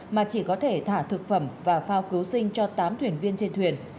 mà chỉ có thể thả thực phẩm và phao cứu sinh cho tám thuyền viên trên thuyền